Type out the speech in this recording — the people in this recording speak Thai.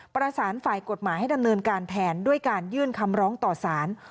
ประสานฝ่ายกฎหมายให้ดำเนินการแทนด้วยการยื่นคำร้องต่อสาร